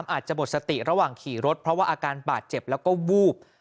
อาจจะหมดสติระหว่างขี่รถเพราะว่าอาการบาดเจ็บแล้วก็วูบ